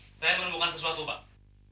hai saya menemukan sesuatu banget